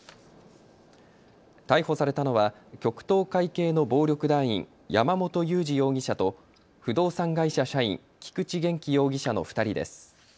逮捕されたのは極東会系の暴力団員、山本裕二容疑者と不動産会社社員、菊池元気容疑者の２人です。